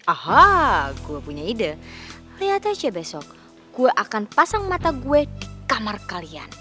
aha gue punya ide lihat aja besok gue akan pasang mata gue di kamar kalian